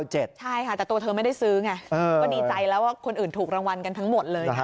ใช่ค่ะแต่ตัวเธอไม่ได้ซื้อไงก็ดีใจแล้วว่าคนอื่นถูกรางวัลกันทั้งหมดเลย